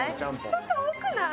ちょっと多くない？